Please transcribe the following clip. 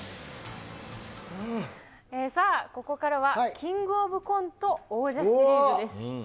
さあ、ここからは、キングオブコント王者シリーズです。